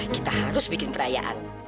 kita harus bikin perayaan